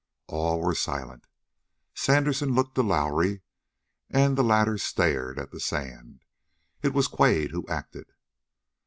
All were silent. Sandersen looked to Lowrie, and the latter stared at the sand. It was Quade who acted.